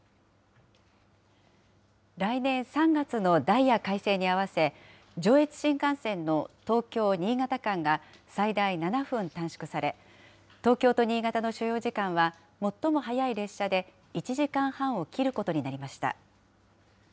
来年３月のダイヤ改正に合わせ、上越新幹線の東京・新潟間が最大７分短縮され、東京と新潟の所要時間は、最も早い列車で１時間半を切ることになりました。